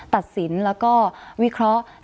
ตัดสินแล้วก็วิเคราะห์